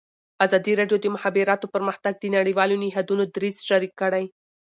ازادي راډیو د د مخابراتو پرمختګ د نړیوالو نهادونو دریځ شریک کړی.